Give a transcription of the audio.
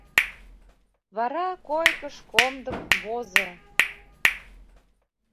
Вара койкыш комдык возо.